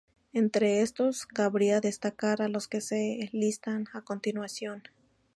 Entre estos, cabría destacar a los que se listan a continuación.